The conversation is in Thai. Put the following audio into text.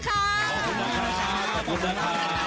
ขอบคุณมาก